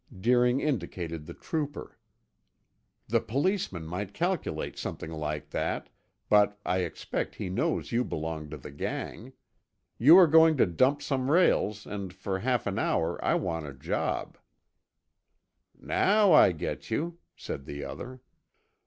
Deering indicated the trooper. "The policeman might calculate something like that, but I expect he knows you belong to the gang. You are going to dump some rails and for half an hour I want a job." "Now I get you!" said the other.